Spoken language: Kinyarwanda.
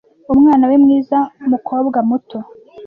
umwana we mwiza mukobwa muto